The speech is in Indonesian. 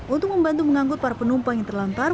untuk membantu mengangkut para penumpang yang terlantar